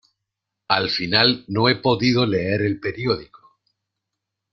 Al final no he podido leer el periódico.